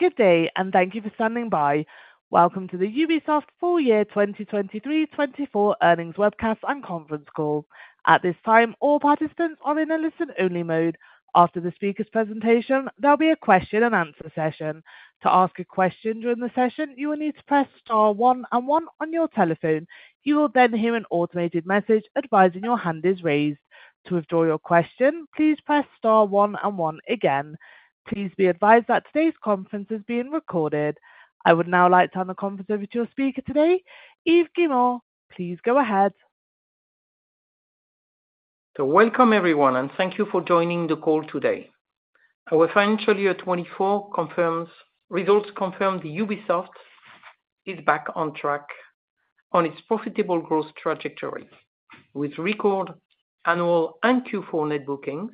Good day, and thank you for standing by. Welcome to the Ubisoft full year 2023-24 earnings webcast and conference call. At this time, all participants are in a listen-only mode. After the speaker's presentation, there'll be a question-and-answer session. To ask a question during the session, you will need to press star 1 and 1 on your telephone. You will then hear an automated message advising your hand is raised. To withdraw your question, please press star 1 and 1 again. Please be advised that today's conference is being recorded. I would now like to turn the conference over to your speaker today, Yves Guillemot. Please go ahead. Welcome, everyone, and thank you for joining the call today. Our financial year 2024 results confirm Ubisoft is back on track on its profitable growth trajectory, with record annual and Q4 net bookings,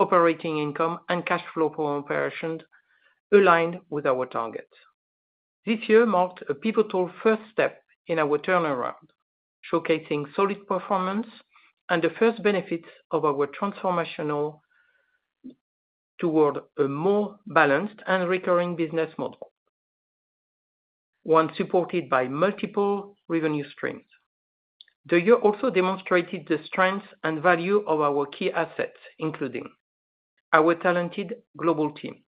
operating income, and cash flow per operation aligned with our targets. This year marked a pivotal first step in our turnaround, showcasing solid performance and the first benefits of our transformation toward a more balanced and recurring business model, one supported by multiple revenue streams. The year also demonstrated the strengths and value of our key assets, including: our talented global teams,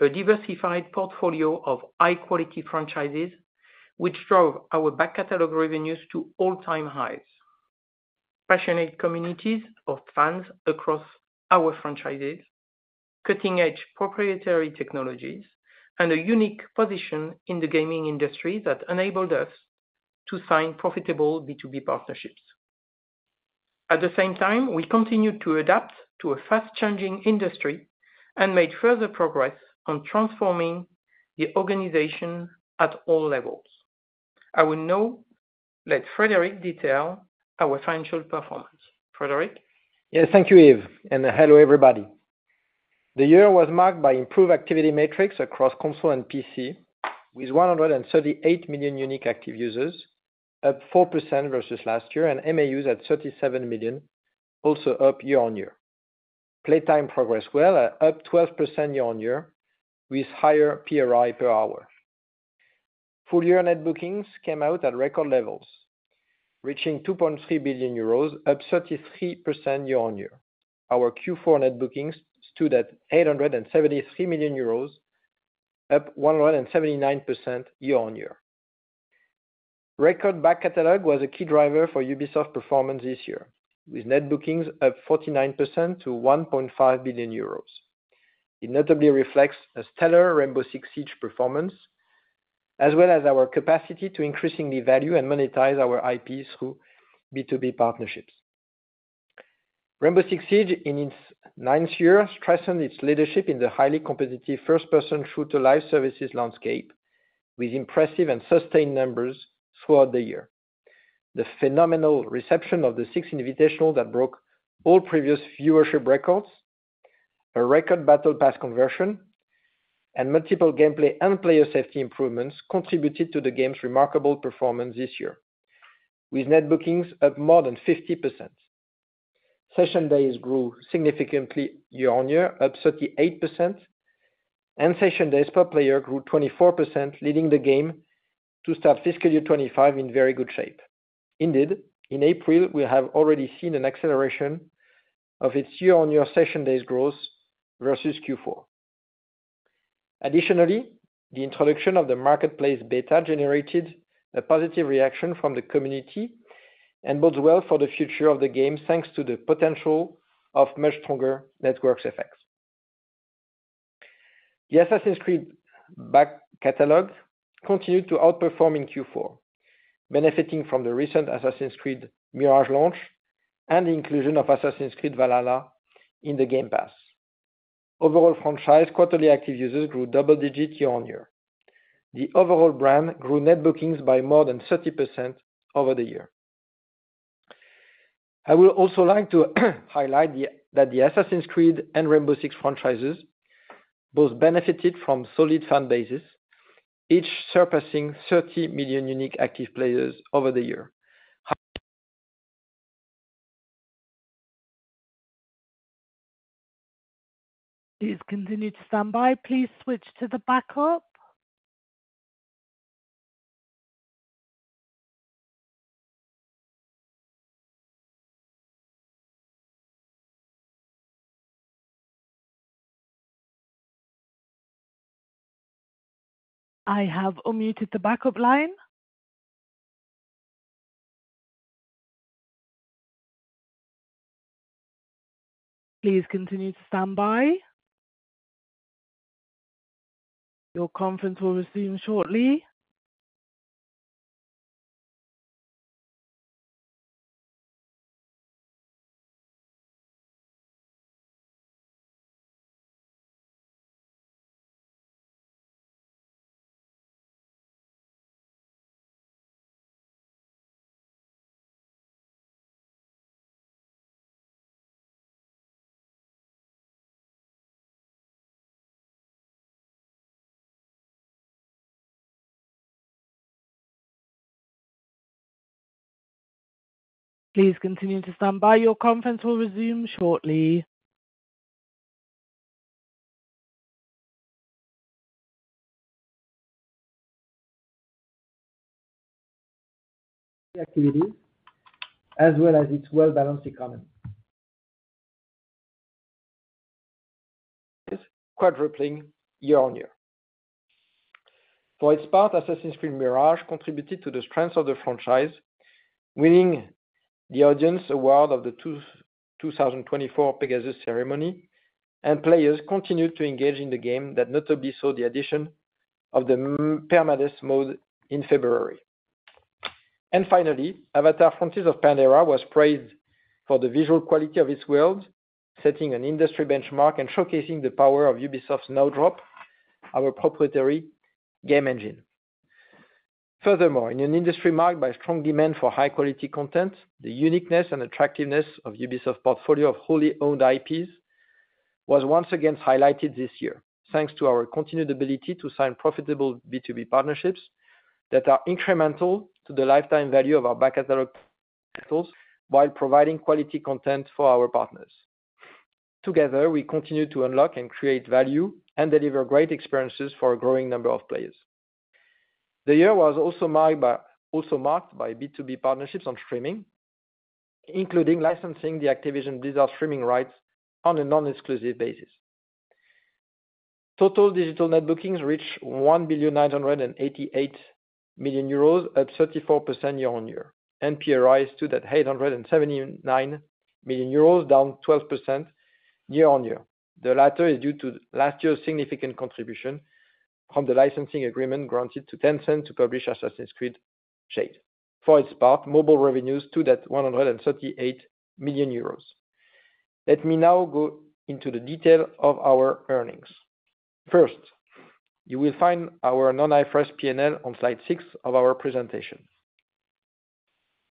a diversified portfolio of high-quality franchises which drove our back catalog revenues to all-time highs, passionate communities of fans across our franchises, cutting-edge proprietary technologies, and a unique position in the gaming industry that enabled us to sign profitable B2B partnerships. At the same time, we continued to adapt to a fast-changing industry and made further progress on transforming the organization at all levels. I will now let Frédérick detail our financial performance. Frédérick? Yes, thank you, Yves, and hello everybody. The year was marked by improved activity metrics across console and PC, with 138 million unique active users, up 4% versus last year, and MAUs at 37 million, also up year-on-year. Playtime progressed well, up 12% year-on-year, with higher PRI per hour. Full-year net bookings came out at record levels, reaching 2.3 billion euros, up 33% year-on-year. Our Q4 net bookings stood at 873 million euros, up 179% year-on-year. Record back catalog was a key driver for Ubisoft performance this year, with net bookings up 49% to 1.5 billion euros. It notably reflects a stellar Rainbow Six Siege performance, as well as our capacity to increasingly value and monetize our IPs through B2B partnerships. Rainbow Six Siege, in its ninth year, strengthened its leadership in the highly competitive first-person shooter live services landscape, with impressive and sustained numbers throughout the year: the phenomenal reception of the six invitationals that broke all previous viewership records, a record battle pass conversion, and multiple gameplay and player safety improvements contributed to the game's remarkable performance this year, with net bookings up more than 50%. Session days grew significantly year-on-year, up 38%, and session days per player grew 24%, leading the game to start fiscal year 2025 in very good shape. Indeed, in April, we have already seen an acceleration of its year-on-year session days growth versus Q4. Additionally, the introduction of the marketplace beta generated a positive reaction from the community and bodes well for the future of the game thanks to the potential of much stronger network effects. The Assassin's Creed back catalog continued to outperform in Q4, benefiting from the recent Assassin's Creed Mirage launch and the inclusion of Assassin's Creed Valhalla in the Game Pass. Overall franchise quarterly active users grew double-digit year-over-year. The overall brand grew net bookings by more than 30% over the year. I will also like to highlight that the Assassin's Creed and Rainbow Six franchises both benefited from solid fan bases, each surpassing 30 million unique active players over the year. Yves, continue to stand by. Please switch to the backup. I have unmuted the backup line. Please continue to stand by. Your conference will resume shortly. Please continue to stand by. Your conference will resume shortly. Activities, as well as its well-balanced economy. Yves, quadrupling year-on-year. For its part, Assassin's Creed Mirage contributed to the strengths of the franchise, winning the audience award of the 2024 Pégases ceremony, and players continued to engage in the game that notably saw the addition of the Permadeath mode in February. And finally, Avatar: Frontiers of Pandora was praised for the visual quality of its world, setting an industry benchmark and showcasing the power of Ubisoft's Snowdrop, our proprietary game engine. Furthermore, in an industry marked by strong demand for high-quality content, the uniqueness and attractiveness of Ubisoft's portfolio of wholly owned IPs was once again highlighted this year, thanks to our continued ability to sign profitable B2B partnerships that are incremental to the lifetime value of our back catalog titles while providing quality content for our partners. Together, we continue to unlock and create value and deliver great experiences for a growing number of players. The year was also marked by B2B partnerships on streaming, including licensing the Activision Blizzard streaming rights on a non-exclusive basis. Total digital net bookings reached 1,988 million euros, up 34% year-over-year, and PRI stood at 879 million euros, down 12% year-over-year. The latter is due to last year's significant contribution from the licensing agreement granted to Tencent to publish Assassin's Creed Jade. For its part, mobile revenues stood at 138 million euros. Let me now go into the detail of our earnings. First, you will find our non-IFRS P&L on slide six of our presentation.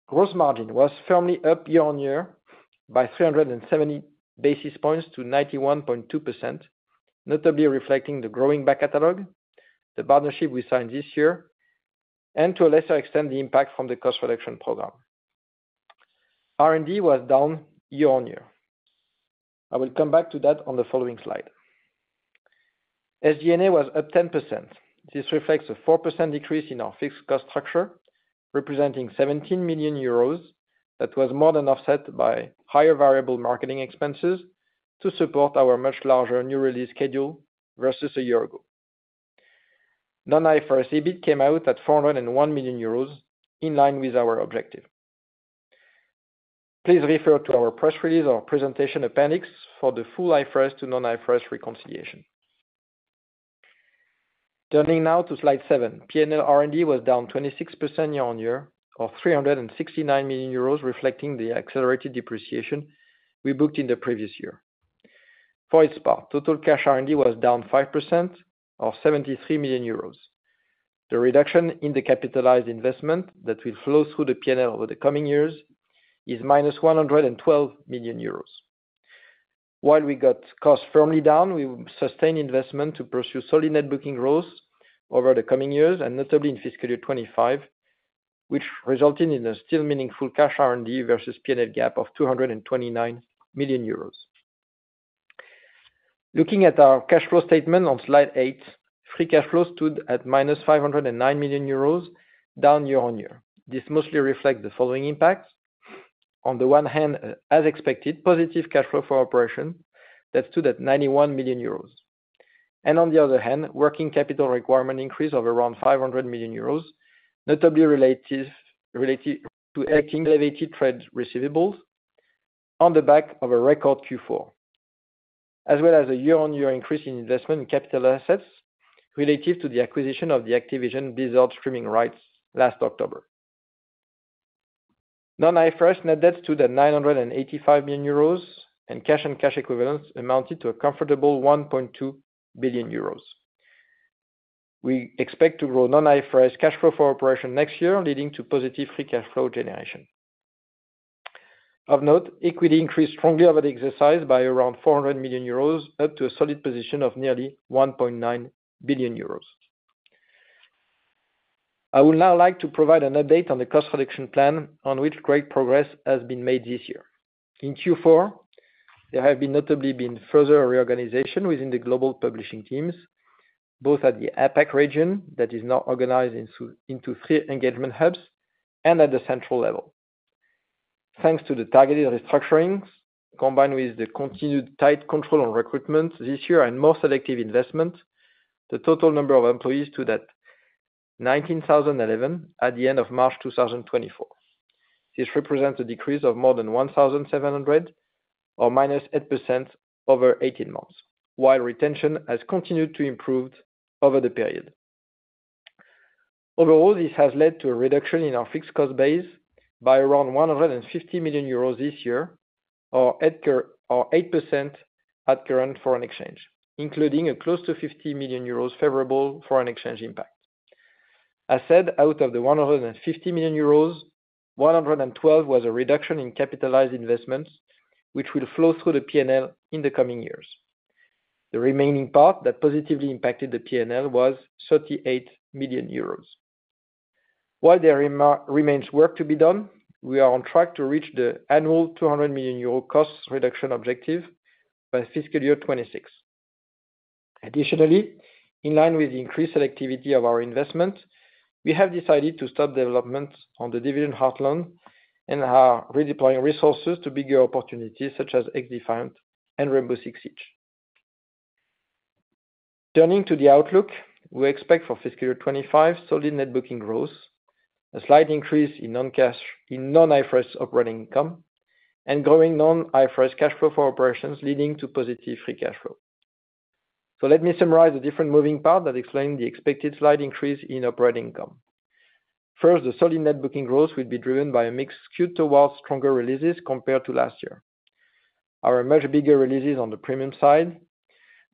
Gross margin was firmly up year-on-year by 370 basis points to 91.2%, notably reflecting the growing back catalog, the partnership we signed this year, and to a lesser extent, the impact from the cost reduction program. R&D was down year-on-year. I will come back to that on the following slide. SG&A was up 10%. This reflects a 4% decrease in our fixed cost structure, representing 17 million euros that was more than offset by higher variable marketing expenses to support our much larger new release schedule versus a year ago. Non-IFRS EBIT came out at 401 million euros, in line with our objective. Please refer to our press release or presentation appendix for the full IFRS to non-IFRS reconciliation. Turning now to slide 7. P&L R&D was down 26% year-on-year, of 369 million euros, reflecting the accelerated depreciation we booked in the previous year. For its part, total cash R&D was down 5%, of 73 million euros. The reduction in the capitalized investment that will flow through the P&L over the coming years is 112 million euros. While we got costs firmly down, we sustained investment to pursue solid net booking growth over the coming years, and notably in fiscal year 2025, which resulted in a still meaningful cash R&D versus P&L gap of 229 million euros. Looking at our cash flow statement on slide 8, free cash flow stood at 509 million euros, down year-on-year. This mostly reflects the following impacts: on the one hand, as expected, positive cash flow for operation that stood at 91 million euros, and on the other hand, working capital requirement increase of around 500 million euros, notably related to elevated trade receivables on the back of a record Q4, as well as a year-on-year increase in investment in capital assets relative to the acquisition of the Activision Blizzard streaming rights last October. Non-IFRS net debt stood at 985 million euros, and cash and cash equivalents amounted to a comfortable 1.2 billion euros. We expect to grow non-IFRS cash flow for operation next year, leading to positive free cash flow generation. Of note, equity increased strongly over the exercise by around 400 million euros, up to a solid position of nearly 1.9 billion euros. I will now like to provide an update on the cost reduction plan on which great progress has been made this year. In Q4, there have notably been further reorganization within the global publishing teams, both at the APAC region that is now organized into three engagement hubs and at the central level. Thanks to the targeted restructurings combined with the continued tight control on recruitment this year and more selective investment, the total number of employees stood at 19,011 at the end of March 2024. This represents a decrease of more than 1,700, or -8% over 18 months, while retention has continued to improve over the period. Overall, this has led to a reduction in our fixed cost base by around 150 million euros this year, or 8% at current foreign exchange, including a close to 50 million euros favorable foreign exchange impact. As said, out of the 150 million euros, 112 million was a reduction in capitalized investments, which will flow through the P&L in the coming years. The remaining part that positively impacted the P&L was 38 million euros. While there remains work to be done, we are on track to reach the annual 200 million euro cost reduction objective by fiscal year 2026. Additionally, in line with the increased selectivity of our investment, we have decided to stop development on The Division Heartland and are redeploying resources to bigger opportunities such as XDefiant and Rainbow Six Siege. Turning to the outlook, we expect for fiscal year 2025 solid net bookings growth, a slight increase in non-IFRS operating income, and growing non-IFRS cash flow for operations, leading to positive free cash flow. So let me summarize the different moving parts that explain the expected slight increase in operating income. First, the solid net bookings growth will be driven by a mix skewed towards stronger releases compared to last year. Our much bigger releases on the premium side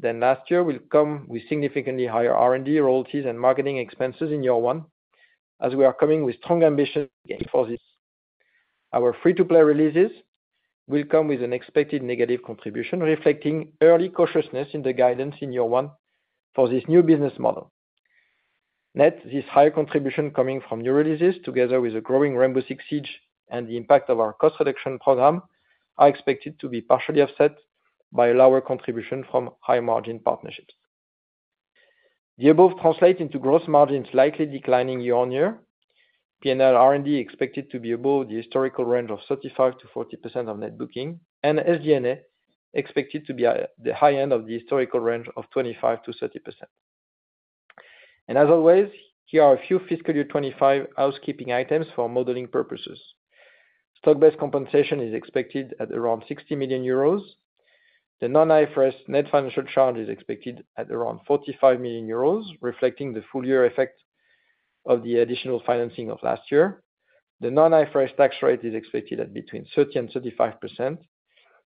than last year will come with significantly higher R&D, royalties, and marketing expenses in year one, as we are coming with strong ambitions for this. Our free-to-play releases will come with an expected negative contribution, reflecting early cautiousness in the guidance in year one for this new business model. Yet, this higher contribution coming from new releases, together with a growing Rainbow Six Siege and the impact of our cost reduction program, are expected to be partially offset by a lower contribution from high-margin partnerships. The above translates into gross margins likely declining year-on-year. P&L R&D expected to be above the historical range of 35%-40% of net booking, and SG&A expected to be at the high end of the historical range of 25%-30%. As always, here are a few fiscal year 2025 housekeeping items for modeling purposes. Stock-based compensation is expected at around 60 million euros. The non-IFRS net financial charge is expected at around 45 million euros, reflecting the full-year effect of the additional financing of last year. The non-IFRS tax rate is expected at between 30% and 35%,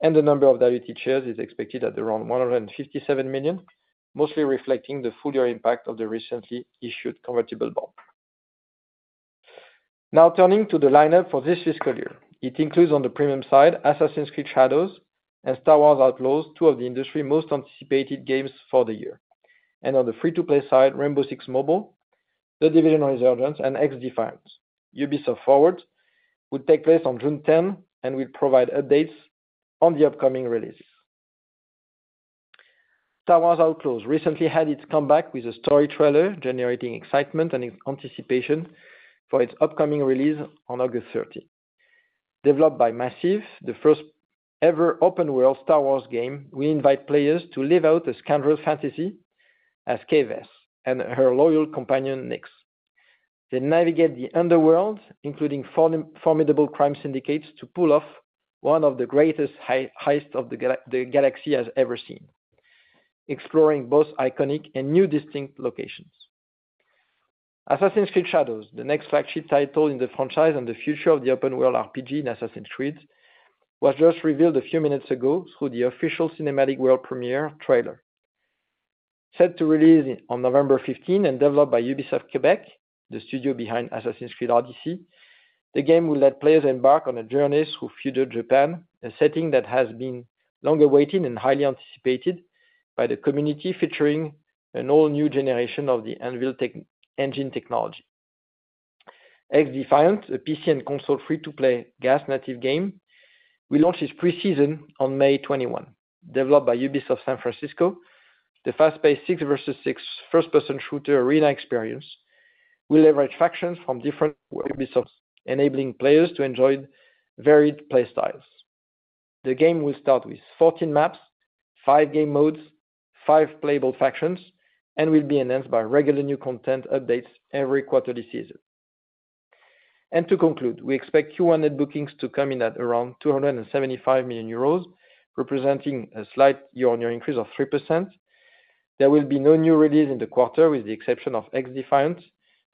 and the number of weighted shares is expected at around 157 million, mostly reflecting the full-year impact of the recently issued convertible bond. Now turning to the lineup for this fiscal year. It includes, on the premium side, Assassin's Creed Shadows and Star Wars Outlaws, two of the industry's most anticipated games for the year. And on the free-to-play side, Rainbow Six Mobile, The Division Resurgence, and XDefiant. Ubisoft Forward would take place on June 10th and will provide updates on the upcoming releases. Star Wars Outlaws recently had its comeback with a story trailer generating excitement and anticipation for its upcoming release on August 30th. Developed by Massive, the first-ever open-world Star Wars game, we invite players to live out a scandalous fantasy as Kay Vess and her loyal companion, Nix. They navigate the underworld, including formidable crime syndicates, to pull off one of the greatest heists of the galaxy has ever seen, exploring both iconic and new distinct locations. Assassin's Creed Shadows, the next flagship title in the franchise and the future of the open-world RPG in Assassin's Creed, was just revealed a few minutes ago through the official cinematic world premiere trailer. Set to release on November 15th and developed by Ubisoft Quebec, the studio behind Assassin's Creed Odyssey, the game will let players embark on a journey through feudal Japan, a setting that has been long awaited and highly anticipated by the community, featuring an all-new generation of the Anvil engine technology. XDefiant, a PC and console free-to-play GaaS-native game, will launch its preseason on May 21st. Developed by Ubisoft San Francisco, the fast-paced 6v6 first-person shooter arena experience will leverage factions from different Ubisoft's, enabling players to enjoy varied play styles. The game will start with 14 maps, five game modes, five playable factions, and will be enhanced by regular new content updates every quarterly season. To conclude, we expect Q1 net bookings to come in at around 275 million euros, representing a slight year-on-year increase of 3%. There will be no new release in the quarter, with the exception of XDefiant,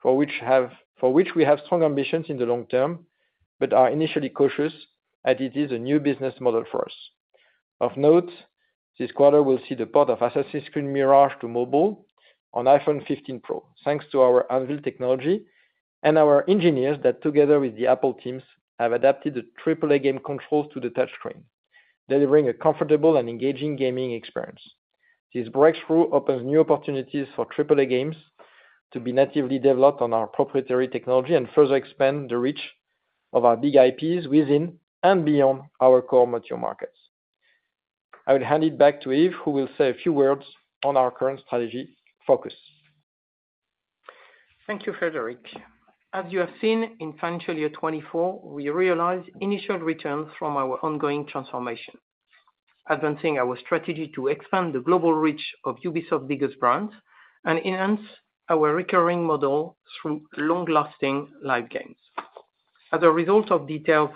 for which we have strong ambitions in the long term but are initially cautious that it is a new business model for us. Of note, this quarter will see the port of Assassin's Creed Mirage to mobile on iPhone 15 Pro, thanks to our Anvil technology and our engineers that, together with the Apple teams, have adapted the AAA game controls to the touchscreen, delivering a comfortable and engaging gaming experience. This breakthrough opens new opportunities for AAA games to be natively developed on our proprietary technology and further expand the reach of our big IPs within and beyond our core mature markets. I will hand it back to Yves, who will say a few words on our current strategy focus. Thank you, Frédérick. As you have seen, in financial year 2024, we realized initial returns from our ongoing transformation, advancing our strategy to expand the global reach of Ubisoft's biggest brands and enhance our recurring model through long-lasting live games. As a result of detailed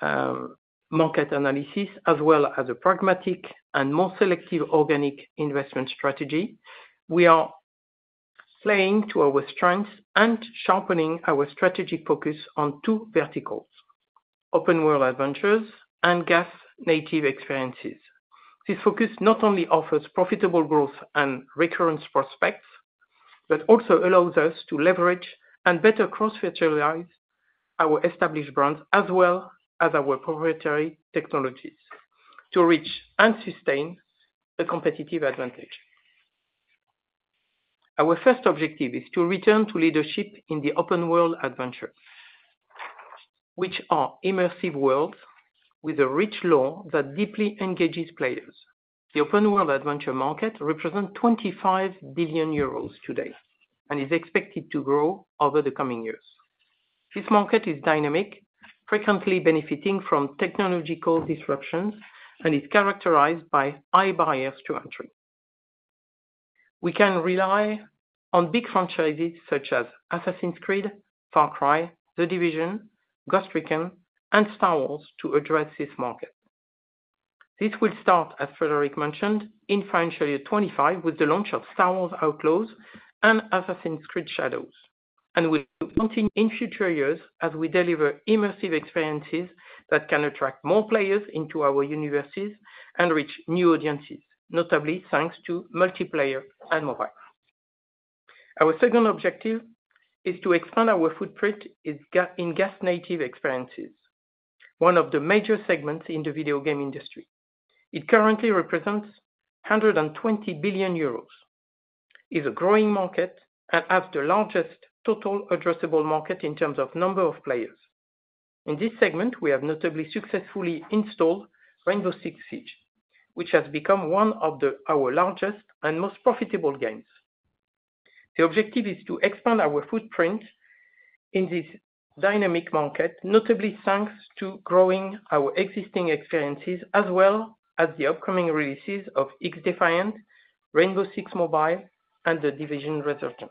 market analysis, as well as a pragmatic and more selective organic investment strategy, we are playing to our strengths and sharpening our strategic focus on two verticals: open-world adventures and GaaS-native experiences. This focus not only offers profitable growth and recurrent prospects but also allows us to leverage and better cross-fertilize our established brands as well as our proprietary technologies to reach and sustain a competitive advantage. Our first objective is to return to leadership in the open-world adventure, which are immersive worlds with a rich lore that deeply engages players. The open-world adventure market represents 25 billion euros today and is expected to grow over the coming years. This market is dynamic, frequently benefiting from technological disruptions, and is characterized by high barriers to entry. We can rely on big franchises such as Assassin's Creed, Far Cry, The Division, Ghost Recon, and Star Wars to address this market. This will start, as Frédérick mentioned, in financial year 2025 with the launch of Star Wars Outlaws and Assassin's Creed Shadows, and will continue in future years as we deliver immersive experiences that can attract more players into our universes and reach new audiences, notably thanks to multiplayer and mobile. Our second objective is to expand our footprint in GaaS-native experiences, one of the major segments in the video game industry. It currently represents 120 billion euros. It's a growing market and has the largest total addressable market in terms of number of players. In this segment, we have notably successfully installed Rainbow Six Siege, which has become one of our largest and most profitable games. The objective is to expand our footprint in this dynamic market, notably thanks to growing our existing experiences as well as the upcoming releases of XDefiant, Rainbow Six Mobile, and The Division Resurgence.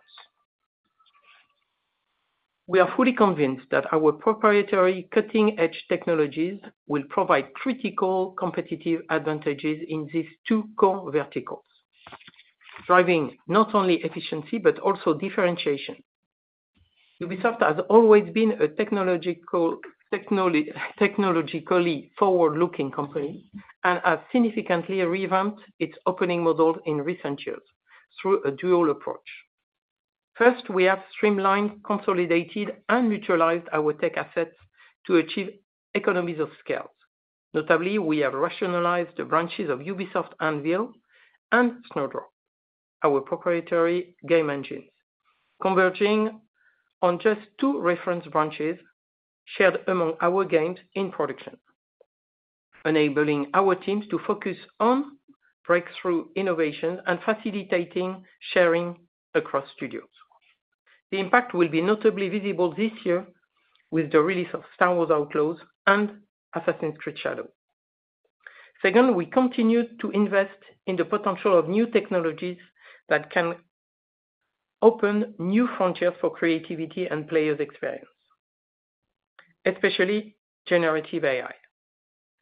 We are fully convinced that our proprietary cutting-edge technologies will provide critical competitive advantages in these two core verticals, driving not only efficiency but also differentiation. Ubisoft has always been a technologically forward-looking company and has significantly revamped its engine model in recent years through a dual approach. First, we have streamlined, consolidated, and rationalized our tech assets to achieve economies of scale. Notably, we have rationalized the branches of Ubisoft Anvil and Snowdrop, our proprietary game engines, converging on just two reference branches shared among our games in production, enabling our teams to focus on breakthrough innovations and facilitating sharing across studios. The impact will be notably visible this year with the release of Star Wars Outlaws and Assassin's Creed Shadows. Second, we continue to invest in the potential of new technologies that can open new frontiers for creativity and players' experience, especially generative AI.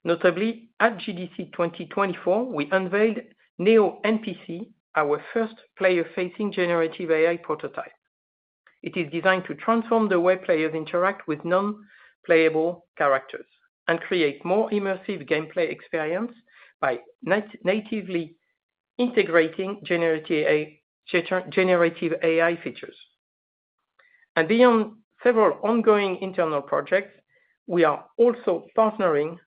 Notably, at GDC 2024, we unveiled Neo NPC, our first player-facing generative AI prototype. It is designed to transform the way players interact with non-playable characters and create more immersive gameplay experiences by natively integrating generative AI features. And beyond several ongoing internal projects, we are also partnering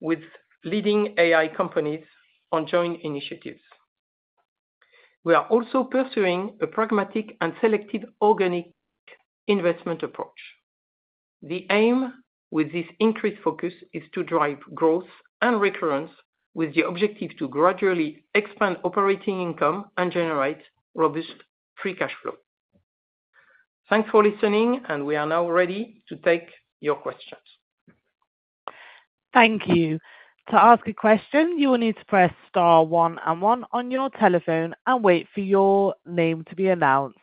with leading AI companies on joint initiatives. We are also pursuing a pragmatic and selective organic investment approach. The aim with this increased focus is to drive growth and recurrence with the objective to gradually expand operating income and generate robust free cash flow. Thanks for listening, and we are now ready to take your questions. Thank you. To ask a question, you will need to press star one and one on your telephone and wait for your name to be announced.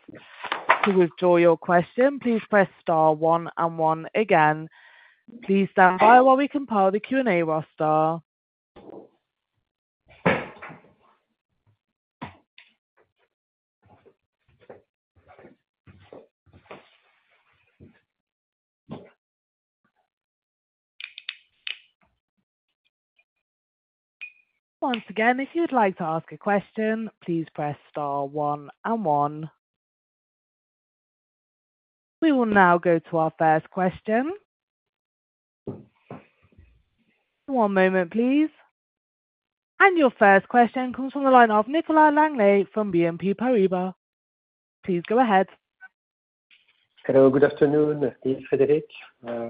To withdraw your question, please press star one and one again. Please stand by while we compile the Q&A roster. Once again, if you would like to ask a question, please press star one and one. We will now go to our first question. One moment, please. Your first question comes from the line of Nicolas Langlet from BNP Paribas. Please go ahead. Hello. Good afternoon. Yves, Frédérick.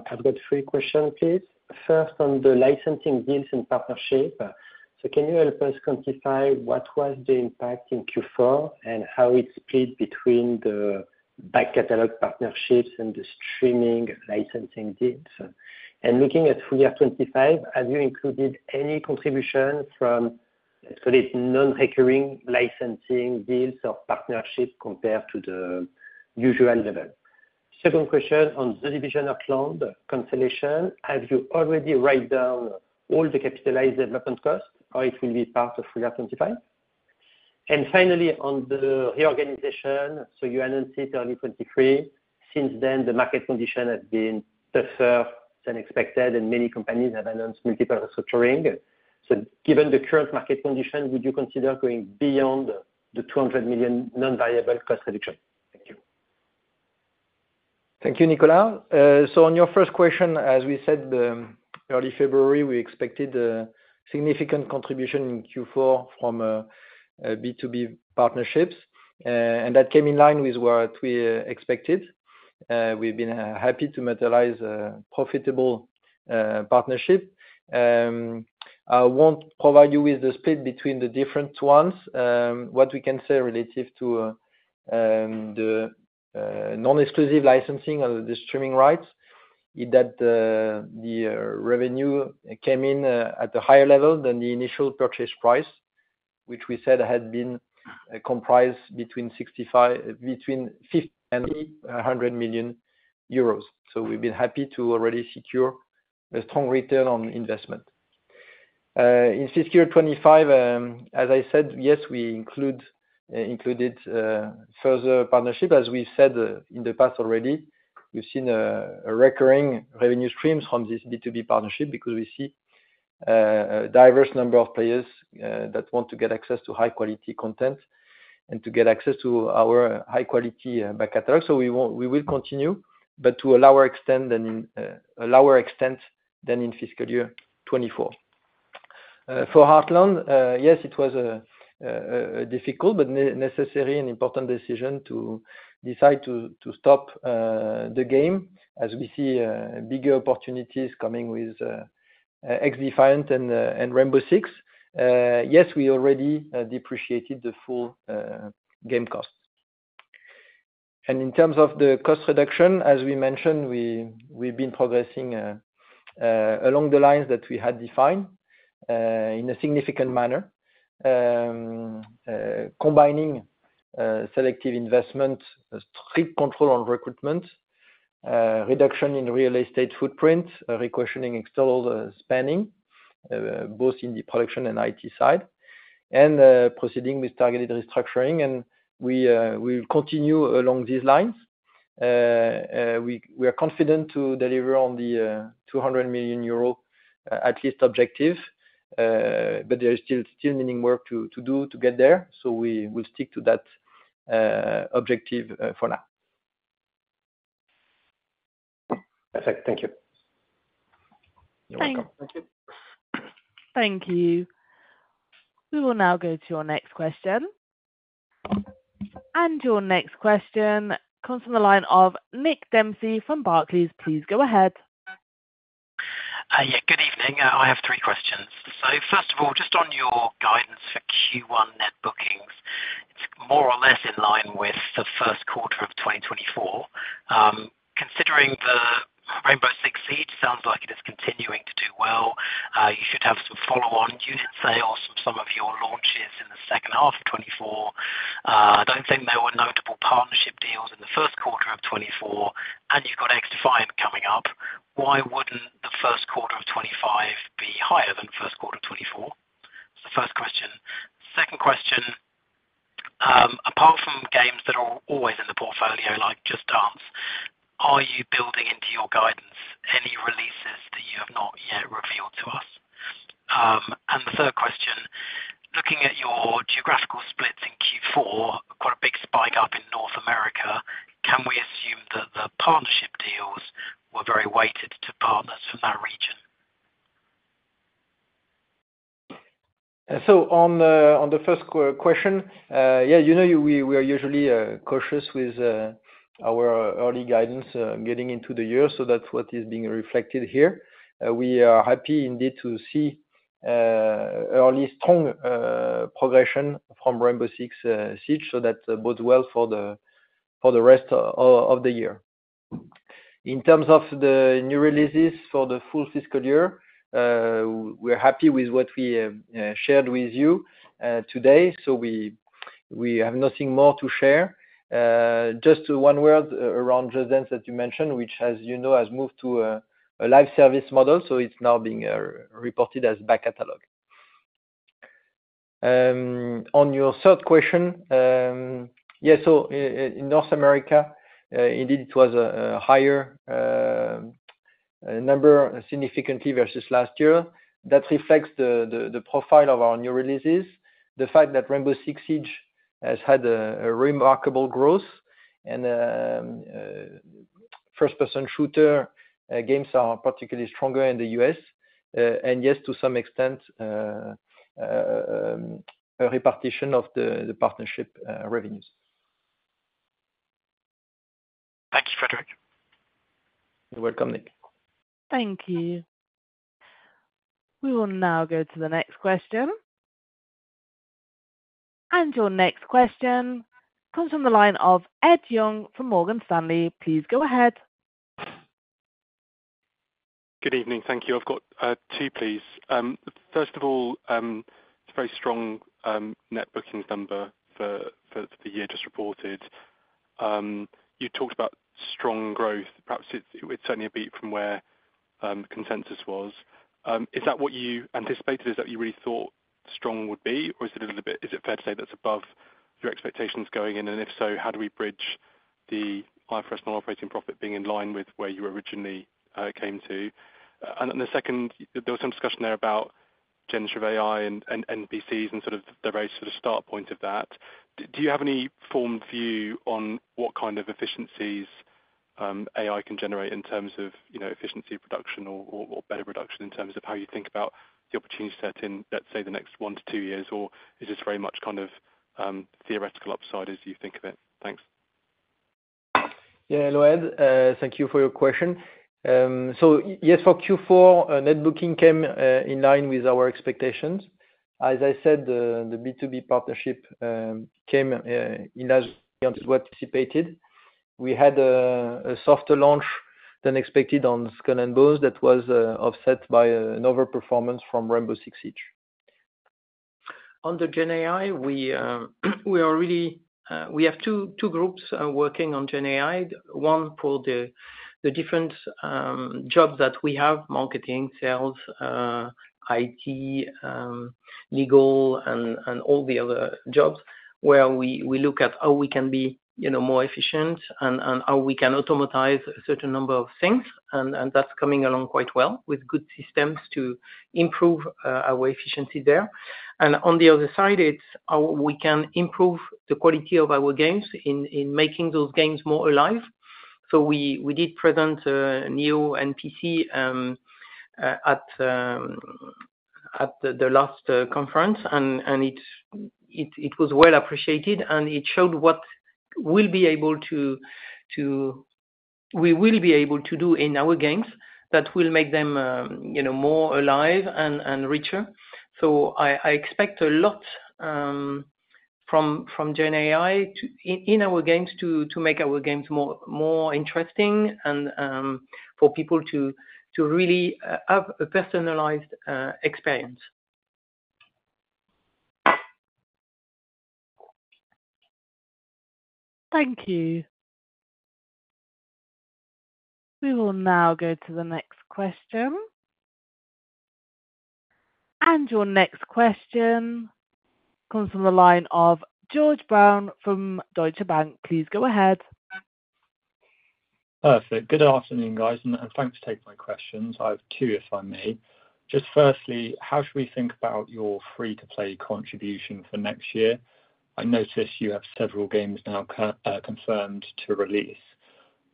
I've got three questions, please. First, on the licensing deals and partnership. So can you help us quantify what was the impact in Q4 and how it split between the back-catalog partnerships and the streaming licensing deals? And looking at full year 2025, have you included any contribution from, let's call it, non-recurring licensing deals or partnerships compared to the usual level? Second question, on The Division Heartland, have you already written down all the capitalized development costs, or it will be part of full year 2025? And finally, on the reorganization, so you announced it early 2023. Since then, the market condition has been tougher than expected, and many companies have announced multiple restructuring. So given the current market condition, would you consider going beyond the 200 million non-variable cost reduction? Thank you. Thank you, Nicolas. So on your first question, as we said, early February, we expected a significant contribution in Q4 from B2B partnerships. That came in line with what we expected. We've been happy to materialize a profitable partnership. I won't provide you with the split between the different ones. What we can say relative to the non-exclusive licensing and the streaming rights is that the revenue came in at a higher level than the initial purchase price, which we said had been comprised between 50 million and 100 million euros. So we've been happy to already secure a strong return on investment. In fiscal year 2025, as I said, yes, we included further partnerships. As we've said in the past already, we've seen recurring revenue streams from this B2B partnership because we see a diverse number of players that want to get access to high-quality content and to get access to our high-quality back catalog. So we will continue, but to a lower extent than in fiscal year 2024. For Heartland, yes, it was a difficult but necessary and important decision to decide to stop the game as we see bigger opportunities coming with XDefiant and Rainbow Six. Yes, we already depreciated the full game costs. And in terms of the cost reduction, as we mentioned, we've been progressing along the lines that we had defined in a significant manner, combining selective investment, strict control on recruitment, reduction in real estate footprint, reassessing external spending both in the production and IT side, and proceeding with targeted restructuring. And we will continue along these lines. We are confident to deliver on the 200 million euro at least objective, but there is still meaningful work to do to get there. So we will stick to that objective for now. Perfect. Thank you. You're welcome. Thank you. We will now go to your next question. Your next question comes from the line of Nick Dempsey from Barclays. Please go ahead. Yeah. Good evening. I have three questions. So first of all, just on your guidance for Q1 net bookings, it's more or less in line with the first quarter of 2024. Considering the Rainbow Six Siege, it sounds like it is continuing to do well. You should have some follow-on unit sales from some of your launches in the second half of 2024. I don't think there were notable partnership deals in the first quarter of 2024, and you've got XDefiant coming up. Why wouldn't the first quarter of 2025 be higher than first quarter of 2024? That's the first question. Second question, apart from games that are always in the portfolio, like Just Dance, are you building into your guidance any releases that you have not yet revealed to us? The third question, looking at your geographical splits in Q4, quite a big spike up in North America, can we assume that the partnership deals were very weighted to partners from that region? So on the first question, yeah, we are usually cautious with our early guidance getting into the year. So that's what is being reflected here. We are happy indeed to see early strong progression from Rainbow Six Siege, so that bodes well for the rest of the year. In terms of the new releases for the full fiscal year, we're happy with what we shared with you today. So we have nothing more to share. Just one word around Just Dance that you mentioned, which has moved to a live service model. So it's now being reported as back catalog. On your third question, yeah, so in North America, indeed, it was a higher number significantly versus last year. That reflects the profile of our new releases, the fact that Rainbow Six Siege has had a remarkable growth, and first-person shooter games are particularly stronger in the U.S. Yes, to some extent, a repartition of the partnership revenues. Thank you, Frédérick. You're welcome, Nick. Thank you. We will now go to the next question. Your next question comes from the line of Ed Young from Morgan Stanley. Please go ahead. Good evening. Thank you. I've got two, please. First of all, it's a very strong net bookings number for the year just reported. You talked about strong growth. Perhaps it's certainly a beat from where consensus was. Is that what you anticipated? Is that what you really thought strong would be? Or is it a little bit? Is it fair to say that's above your expectations going in? And if so, how do we bridge the IFRS non-operating profit being in line with where you originally came to? And then second, there was some discussion there about generative AI and NPCs and sort of the very sort of start point of that. Do you have any formed view on what kind of efficiencies AI can generate in terms of efficiency production or better production in terms of how you think about the opportunity set, let's say, the next 1-2 years? Or is this very much kind of theoretical upside as you think of it? Thanks. Yeah. Hello, Ed. Thank you for your question. So yes, for Q4, net bookings came in line with our expectations. As I said, the B2B partnership came in as we anticipated. We had a softer launch than expected on Skull and Bones that was offset by an overperformance from Rainbow Six Siege. On the GenAI, we really have two groups working on GenAI, one for the different jobs that we have: marketing, sales, IT, legal, and all the other jobs, where we look at how we can be more efficient and how we can automate a certain number of things. And that's coming along quite well with good systems to improve our efficiency there. And on the other side, it's how we can improve the quality of our games in making those games more alive. So we did present Neo NPC at the last conference, and it was well appreciated. And it showed what we'll be able to do in our games that will make them more alive and richer. So I expect a lot from GenAI in our games to make our games more interesting and for people to really have a personalized experience. Thank you. We will now go to the next question. Your next question comes from the line of George Brown from Deutsche Bank. Please go ahead. Perfect. Good afternoon, guys, and thanks for taking my questions. I have 2, if I may. Just firstly, how should we think about your free-to-play contribution for next year? I notice you have several games now confirmed to release.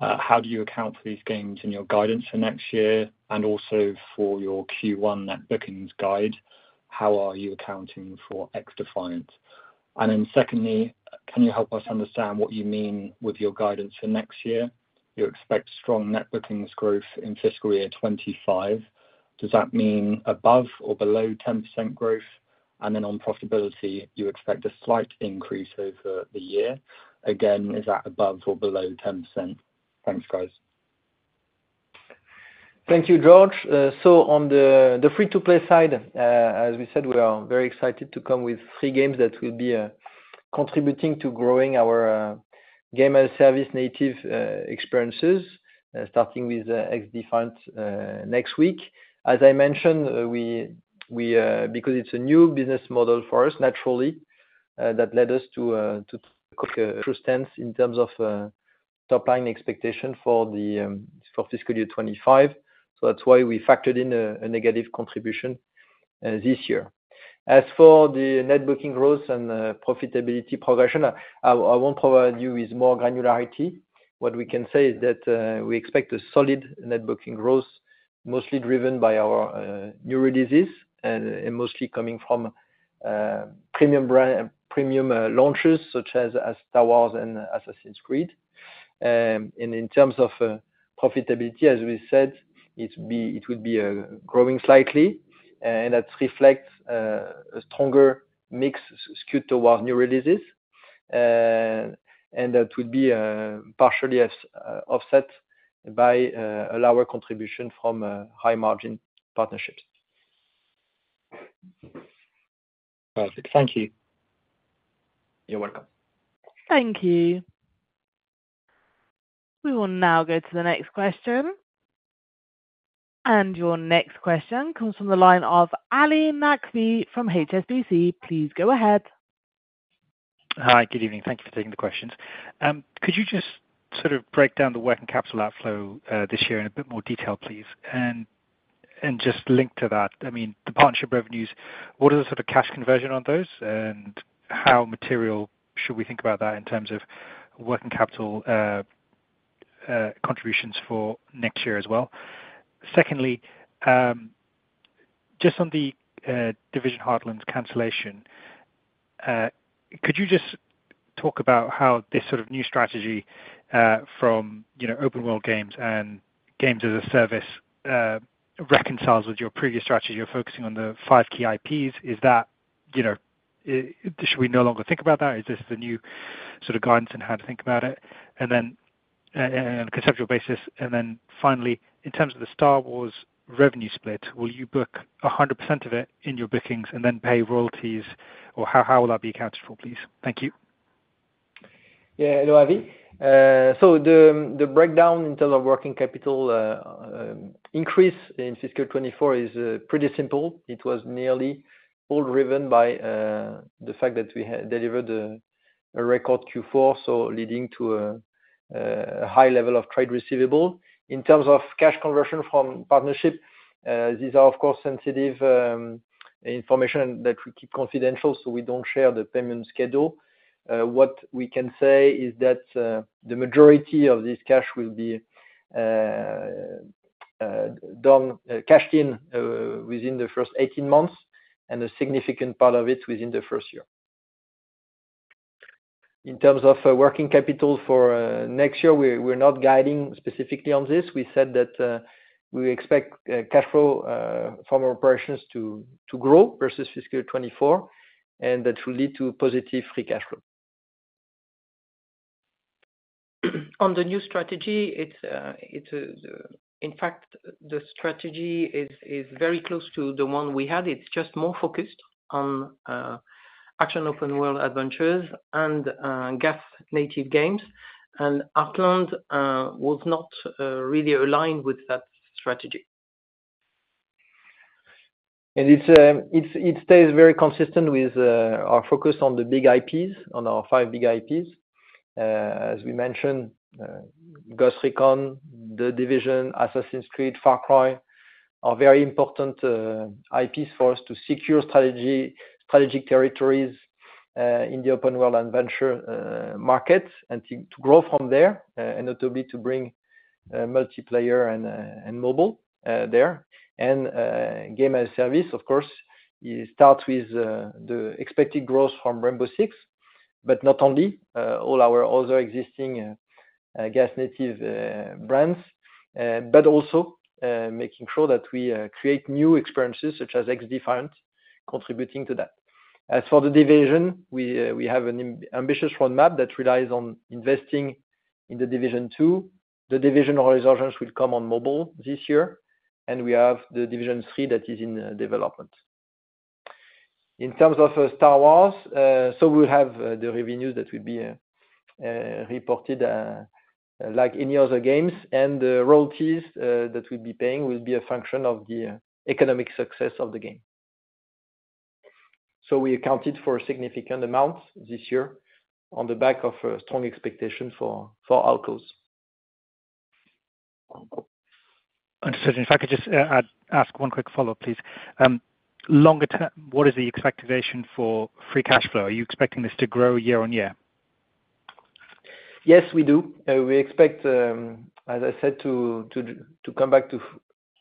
How do you account for these games in your guidance for next year? And also for your Q1 net bookings guide, how are you accounting for XDefiant? And then secondly, can you help us understand what you mean with your guidance for next year? You expect strong net bookings growth in fiscal year 2025. Does that mean above or below 10% growth? And then on profitability, you expect a slight increase over the year. Again, is that above or below 10%? Thanks, guys. Thank you, George. So on the free-to-play side, as we said, we are very excited to come with three games that will be contributing to growing our game-as-a-service native experiences, starting with XDefiant next week. As I mentioned, because it's a new business model for us, naturally, that led us to take a true stance in terms of top-line expectation for fiscal year 2025. So that's why we factored in a negative contribution this year. As for the net booking growth and profitability progression, I won't provide you with more granularity. What we can say is that we expect a solid net booking growth, mostly driven by our new releases and mostly coming from premium launches such as Star Wars and Assassin's Creed. And in terms of profitability, as we said, it would be growing slightly. And that reflects a stronger mix skewed towards new releases. That would be partially offset by a lower contribution from high-margin partnerships. Perfect. Thank you. You're welcome. Thank you. We will now go to the next question. Your next question comes from the line of Ali Naqvi from HSBC. Please go ahead. Hi. Good evening. Thank you for taking the questions. Could you just sort of break down the working capital outflow this year in a bit more detail, please, and just link to that? I mean, the partnership revenues, what is the sort of cash conversion on those, and how material should we think about that in terms of working capital contributions for next year as well? Secondly, just on The Division Heartland cancellation, could you just talk about how this sort of new strategy from open-world games and games as a service reconciles with your previous strategy of focusing on the five key IPs? Should we no longer think about that? Is this the new sort of guidance on how to think about it on a conceptual basis? And then finally, in terms of the Star Wars revenue split, will you book 100% of it in your bookings and then pay royalties? Or how will that be accounted for, please? Thank you. Yeah. Hello, Ali. So the breakdown in terms of working capital increase in fiscal 2024 is pretty simple. It was nearly all driven by the fact that we delivered a record Q4, so leading to a high level of trade receivable. In terms of cash conversion from partnership, these are, of course, sensitive information that we keep confidential, so we don't share the payment schedule. What we can say is that the majority of this cash will be cashed in within the first 18 months and a significant part of it within the first year. In terms of working capital for next year, we're not guiding specifically on this. We said that we expect cash flow from operations to grow versus fiscal 2024 and that will lead to positive free cash flow. On the new strategy, in fact, the strategy is very close to the one we had. It's just more focused on action open-world adventures and GaaS-native games. Heartland was not really aligned with that strategy. It stays very consistent with our focus on the big IPs, on our five big IPs. As we mentioned, Ghost Recon, The Division, Assassin's Creed, Far Cry are very important IPs for us to secure strategic territories in the open-world adventure market and to grow from there, and notably to bring multiplayer and mobile there. Game-as-a-service, of course, starts with the expected growth from Rainbow Six, but not only, all our other existing GaaS-native brands, but also making sure that we create new experiences such as XDefiant contributing to that. As for The Division, we have an ambitious roadmap that relies on investing in The Division 2. The Division Resurgence will come on mobile this year. We have The Division 3 that is in development. In terms of Star Wars, so we will have the revenues that will be reported like any other games. The royalties that we'll be paying will be a function of the economic success of the game. So we accounted for a significant amount this year on the back of strong expectations for Outlaws. Understood. In fact, I'd just ask one quick follow-up, please. What is the expectation for free cash flow? Are you expecting this to grow year-on-year? Yes, we do. We expect, as I said, to come back to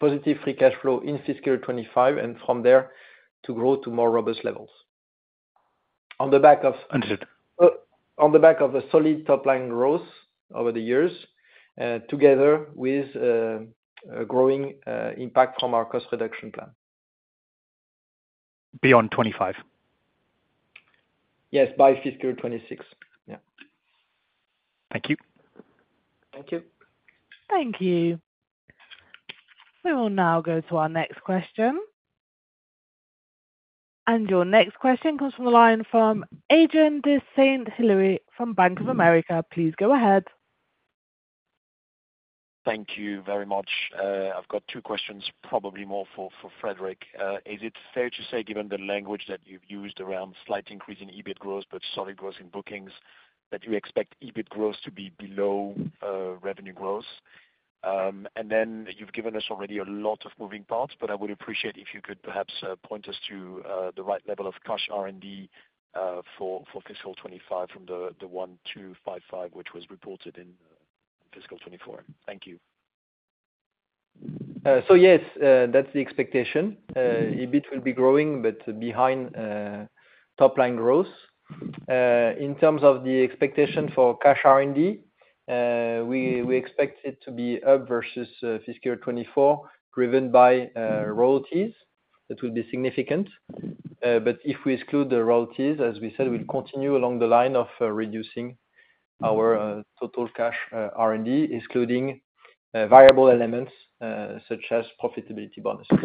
positive free cash flow in fiscal 2025 and from there to grow to more robust levels on the back of. Understood. On the back of a solid top-line growth over the years together with a growing impact from our cost reduction plan. Beyond '25? Yes, by fiscal 2026. Yeah. Thank you. Thank you. Thank you. We will now go to our next question. Your next question comes from the line of Adrien de Saint Hilaire from Bank of America. Please go ahead. Thank you very much. I've got two questions, probably more for Frédérick. Is it fair to say, given the language that you've used around slight increase in EBIT growth but solid growth in bookings, that you expect EBIT growth to be below revenue growth? And then you've given us already a lot of moving parts, but I would appreciate if you could perhaps point us to the right level of cash R&D for fiscal 2025 from the 1,255, which was reported in fiscal 2024. Thank you. Yes, that's the expectation. EBIT will be growing but behind top-line growth. In terms of the expectation for cash R&D, we expect it to be up versus fiscal 2024 driven by royalties. That will be significant. But if we exclude the royalties, as we said, we'll continue along the line of reducing our total cash R&D, excluding variable elements such as profitability bonuses.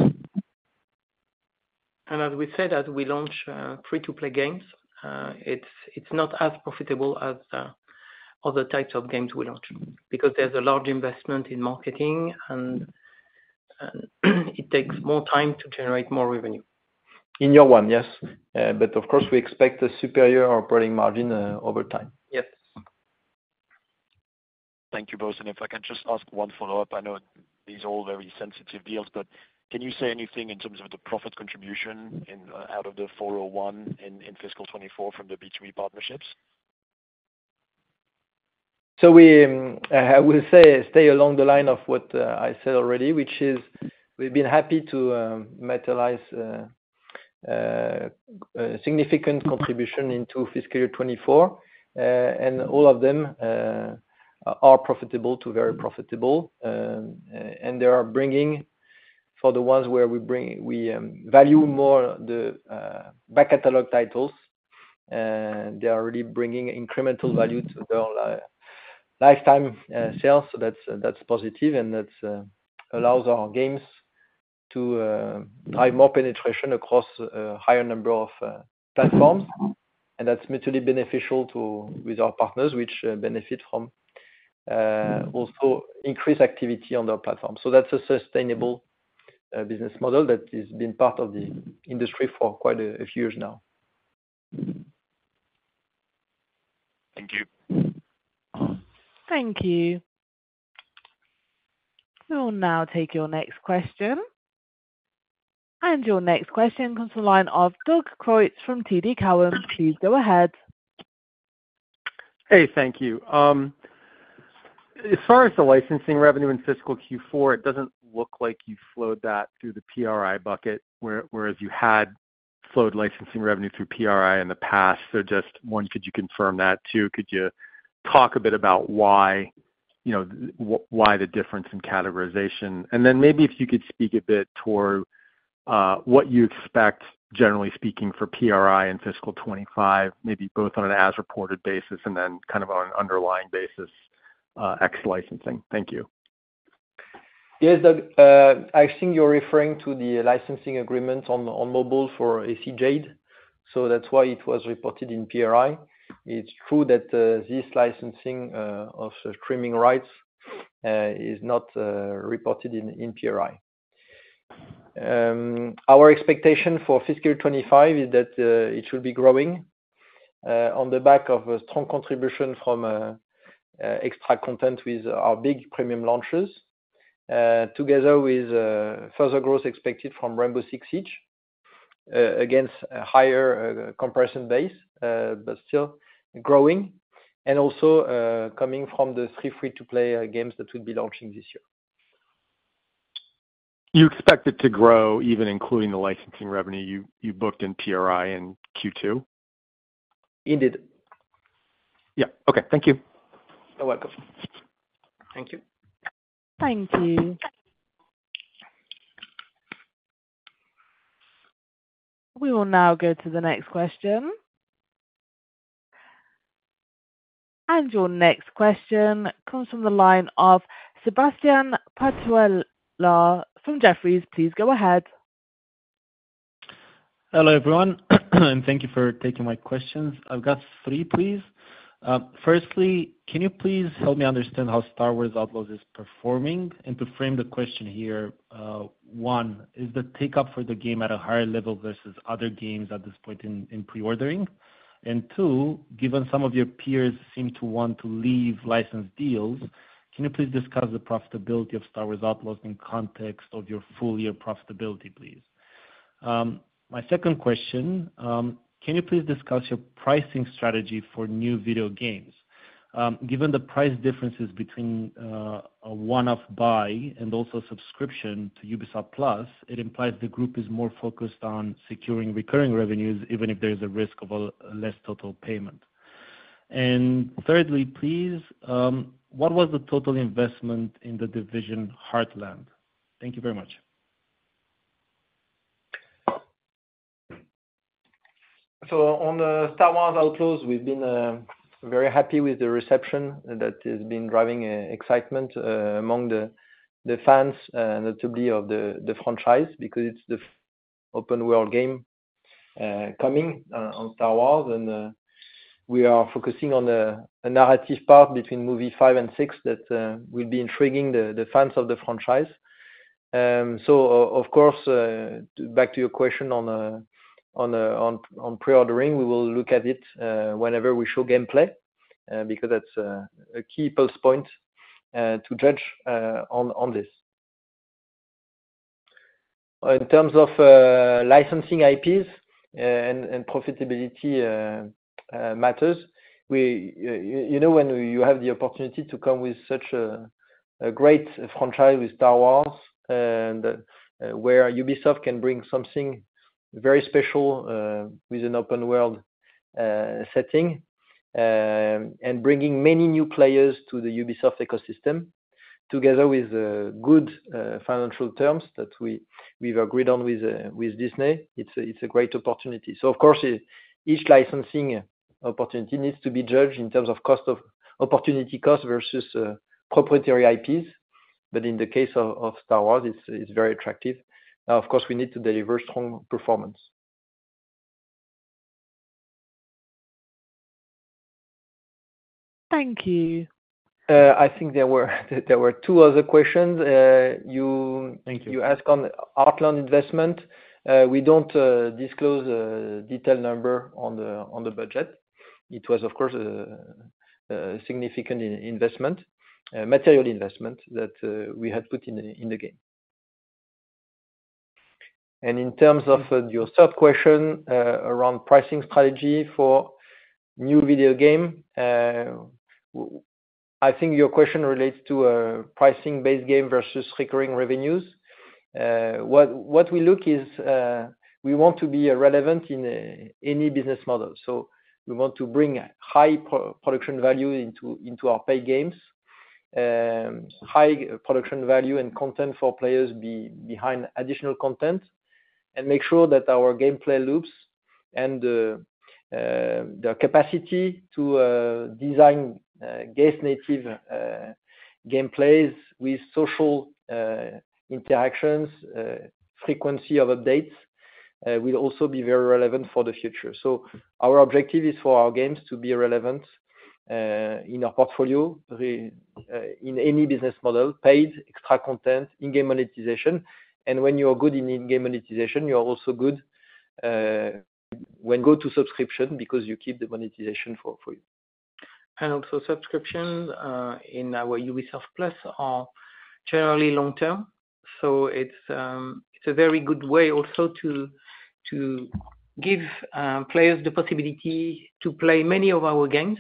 As we said, as we launch free-to-play games, it's not as profitable as the other types of games we launch because there's a large investment in marketing, and it takes more time to generate more revenue. In year one, yes. But of course, we expect a superior operating margin over time. Yes. Thank you, both. If I can just ask one follow-up. I know these are all very sensitive deals, but can you say anything in terms of the profit contribution out of the 401 in fiscal 2024 from the B2B partnerships? So I will stay along the line of what I said already, which is we've been happy to materialize a significant contribution into fiscal year 2024. And all of them are profitable to very profitable. And they are bringing for the ones where we value more the back-catalog titles, they are really bringing incremental value to their lifetime sales. So that's positive. And that allows our games to drive more penetration across a higher number of platforms. And that's mutually beneficial with our partners, which benefit from also increased activity on their platform. So that's a sustainable business model that has been part of the industry for quite a few years now. Thank you. Thank you. We will now take your next question. Your next question comes from the line of Doug Creutz from TD Cowen. Please go ahead. Hey. Thank you. As far as the licensing revenue in fiscal Q4, it doesn't look like you flowed that through the PRI bucket, whereas you had flowed licensing revenue through PRI in the past. So, just one, could you confirm that? Two, could you talk a bit about why the difference in categorization? And then maybe if you could speak a bit toward what you expect, generally speaking, for PRI in fiscal 2025, maybe both on an as-reported basis and then kind of on an underlying basis, ex-licensing. Thank you. Yes. Doug, I think you're referring to the licensing agreement on mobile for AC Jade. So that's why it was reported in PRI. It's true that this licensing of streaming rights is not reported in PRI. Our expectation for fiscal 2025 is that it should be growing on the back of a strong contribution from extra content with our big premium launchers together with further growth expected from Rainbow Six Siege against a higher comparison base but still growing and also coming from the three free-to-play games that we'll be launching this year. You expect it to grow even including the licensing revenue you booked in PRI in Q2? Indeed. Yeah. Okay. Thank you. You're welcome. Thank you. Thank you. We will now go to the next question. Your next question comes from the line of Sebastian Patulea from Jefferies. Please go ahead. Hello, everyone. Thank you for taking my questions. I've got three, please. Firstly, can you please help me understand how Star Wars Outlaws is performing? To frame the question here, one, is the take-up for the game at a higher level versus other games at this point in pre-ordering? And two, given some of your peers seem to want to leave licensed deals, can you please discuss the profitability of Star Wars Outlaws in context of your full-year profitability, please? My second question, can you please discuss your pricing strategy for new video games? Given the price differences between a one-off buy and also subscription to Ubisoft+, it implies the group is more focused on securing recurring revenues even if there is a risk of a less total payment. Thirdly, please, what was the total investment in The Division Heartland? Thank you very much. On Star Wars Outlaws, we've been very happy with the reception that has been driving excitement among the fans, notably of the franchise because it's the open-world game coming on Star Wars. We are focusing on a narrative part between movie 5 and 6 that will be intriguing the fans of the franchise. Of course, back to your question on pre-ordering, we will look at it whenever we show gameplay because that's a key plus point to judge on this. In terms of licensing IPs and profitability matters, when you have the opportunity to come with such a great franchise with Star Wars where Ubisoft can bring something very special with an open-world setting and bringing many new players to the Ubisoft ecosystem together with good financial terms that we've agreed on with Disney, it's a great opportunity. So of course, each licensing opportunity needs to be judged in terms of opportunity cost versus proprietary IPs. But in the case of Star Wars, it's very attractive. Now, of course, we need to deliver strong performance. Thank you. I think there were two other questions. You asked on Heartland investment. We don't disclose detailed numbers on the budget. It was, of course, a significant investment, material investment that we had put in the game. And in terms of your third question around pricing strategy for new video game, I think your question relates to pricing-based game versus recurring revenues. What we look is we want to be relevant in any business model. So we want to bring high production value into our paid games, high production value and content for players behind additional content, and make sure that our gameplay loops and their capacity to design GaaS-native gameplays with social interactions, frequency of updates will also be very relevant for the future. So our objective is for our games to be relevant in our portfolio in any business model, paid, extra content, in-game monetization. When you are good in in-game monetization, you are also good when you go to subscription because you keep the monetization for you. Also, subscription in our Ubisoft+ are generally long-term. So it's a very good way also to give players the possibility to play many of our games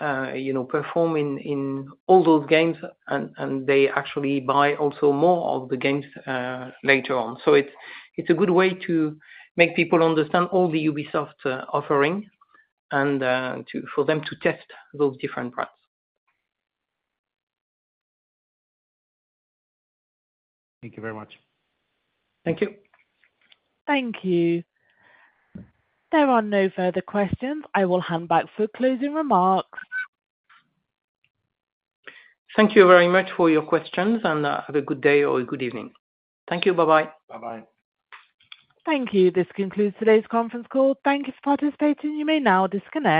and perform in all those games. And they actually buy also more of the games later on. So it's a good way to make people understand all the Ubisoft offering and for them to test those different brands. Thank you very much. Thank you. Thank you. There are no further questions. I will hand back for closing remarks. Thank you very much for your questions. Have a good day or a good evening. Thank you. Bye-bye. Bye-bye. Thank you. This concludes today's conference call. Thank you for participating. You may now disconnect.